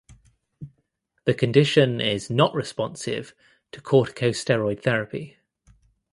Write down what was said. The condition is not responsive to corticosteroid therapy.